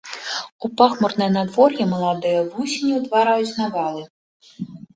У пахмурнае надвор'е маладыя вусені ўтвараюць навалы.